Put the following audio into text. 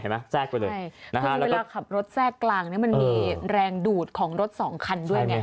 เพราะฉะนั้นเวลาเขลาขับรถแทรกกลางมันมีแรงดูดของรถสองคันด้วย